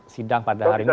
sidang pada hari ini